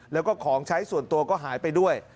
แล้วก็ของใช้ส่วนตัวก็หายไปด้วย